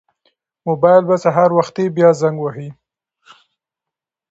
موبایل به سهار وختي بیا زنګ وهي.